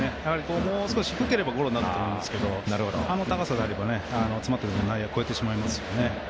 もう少し低ければゴロになったと思うんですけどあそこの高さであれば詰まったら、内野越えてしまいますよね。